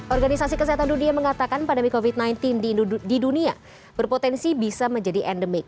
organisasi kesehatan dunia mengatakan pandemi covid sembilan belas di dunia berpotensi bisa menjadi endemik